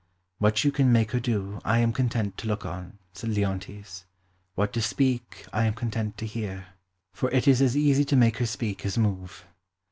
"What you can make her do, I am content to look on," said Leontes; "what to speak, I am content to hear; for it is as easy to make her speak as move."